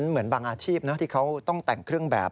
เหมือนบางอาชีพที่เขาต้องแต่งเครื่องแบบ